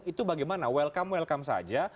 itu bagaimana welcome welcome saja